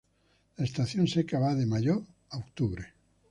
La estación seca va de mayo a octubre.